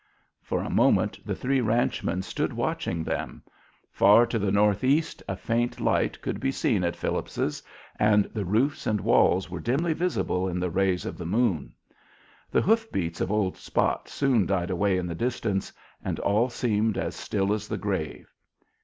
For a moment the three ranchmen stood watching them. Far to the northeast a faint light could be seen at Phillips's, and the roofs and walls were dimly visible in the rays of the moon. The hoof beats of old Spot soon died away in the distance, and all seemed as still as the grave.